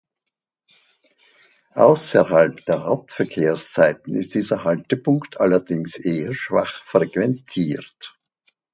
Außerhalb der Hauptverkehrszeiten ist dieser Haltepunkt allerdings eher schwach frequentiert.